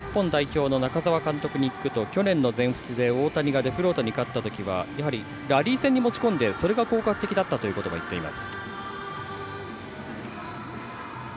日本代表の中澤監督に聞くと去年の全仏で、大谷がデフロートに勝ったときはやはり、ラリー戦に持ち込んでそれが効果的だったと言っています。